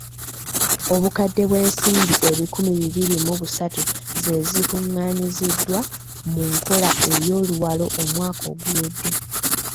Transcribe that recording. Obukadde bw’ensimbi ebikumi bibiri mu busatu ze zikuŋŋaanyiziddwa mu nkola ey’oluwalo omwaka oguwedde.